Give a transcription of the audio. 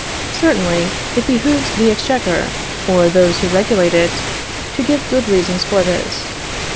Certainly, it behoves the exchequer, or those who regulate it, to give good reasons for this.